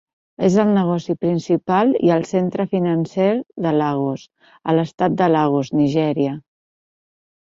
És el negoci principal i el centre financer de Lagos a l'estat de Lagos, Nigèria.